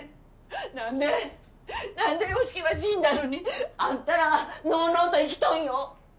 なんでなんで由樹は死んだのにあんたらのうのうと生きとんよ！